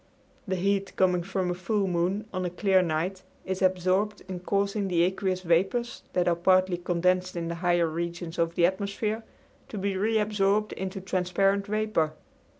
The heat coming from a full moon on a clear night is absorbed in causing the aqueous vapors that are partly condensed in the higher regions of the atmosphere, to be reabsorbed into transparent vapor.